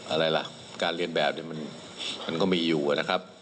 อะไรล่ะการเรียนแบบนี้มันก็มีอยู่นะครับ